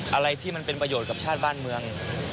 อะไรที่มันเป็นประโยชน์กับชาติบ้านเมือง